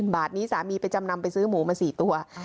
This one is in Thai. บาทนี้สามีไปจำนำไปซื้อหมูมา๔ตัว